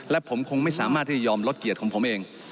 และผมคงไม่สามารถที่จะยอมลดเกียรติของผมเอง